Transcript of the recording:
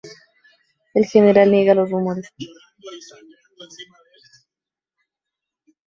El general niega los rumores.